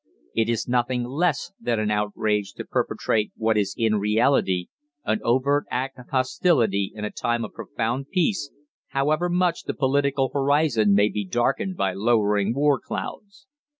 It is nothing less than an outrage to perpetrate what is in reality an overt act of hostility in a time of profound peace, however much the political horizon may be darkened by lowering war clouds.